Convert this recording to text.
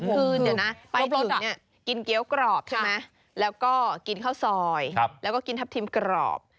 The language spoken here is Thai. คือเดี๋ยวนะไปจนถึงกินเกี้ยวกรอบใช่ไหมแล้วก็กินข้าวซอยแล้วก็กินทับทิมกรอบ